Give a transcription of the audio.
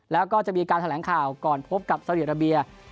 แล้วก็จะมีการแถลงข่าวก่อนพบกับสาวดีอาราเบีย